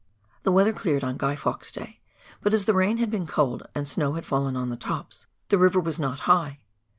The weather cleared on Guy Fawkes' day, but as the rain had been cold and snow had fallen on the tops, the river was not high.